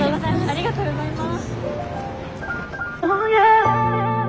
ありがとうございます。